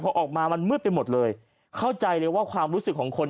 พอออกมามันมืดไปหมดเลยเข้าใจเลยว่าความรู้สึกของคน